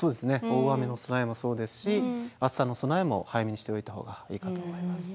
大雨の備えもそうですし暑さの備えも早めにしておいた方がいいかと思います。